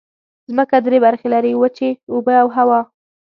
ځمکه درې برخې لري: وچې، اوبه او هوا.